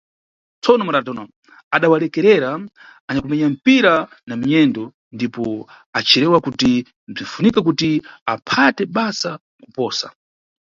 Tsono, Maradona, adawalekerera anyakumenya mpira na minyendo, ndipo acirewa kuti bzwinfunika kuti aphate basa kuposa.